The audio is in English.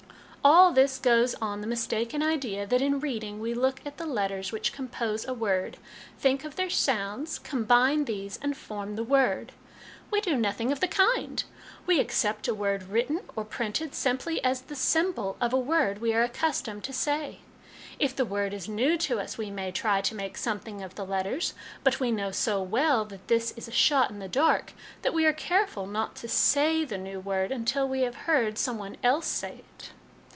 All this goes on the mistaken idea that in reading we look at the letters which compose a word, think of their sounds, combine these, and form the word. We do nothing of the kind ; we accept a word, written or printed, simply as the symbol of a word we are accustomed to say. If the word is new to us we may try to make something of the letters, but we know so well that this is a shot in the dark, that we are careful not to say the new word until we have heard some one else say it."